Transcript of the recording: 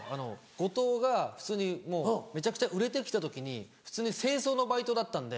後藤が普通にもうめちゃくちゃ売れて来た時に普通に清掃のバイトだったんで。